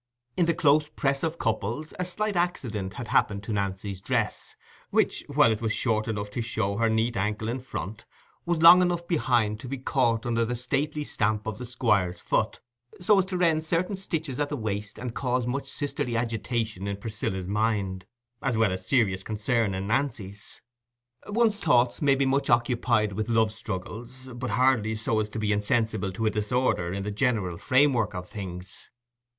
In the close press of couples a slight accident had happened to Nancy's dress, which, while it was short enough to show her neat ankle in front, was long enough behind to be caught under the stately stamp of the Squire's foot, so as to rend certain stitches at the waist, and cause much sisterly agitation in Priscilla's mind, as well as serious concern in Nancy's. One's thoughts may be much occupied with love struggles, but hardly so as to be insensible to a disorder in the general framework of things.